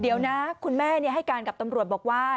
เดี๋ยวนะคุณแม่ให้การกับตำรวจบอกว่า